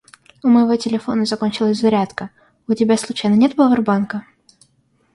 У моего телефона закончилась зарядка. У тебя случайно нет повербанка?